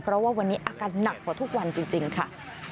เพราะว่าวันนี้อาการหนักกว่าทุกวันจริงค่ะ